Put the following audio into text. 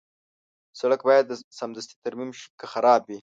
سړک باید سمدستي ترمیم شي که خراب وي.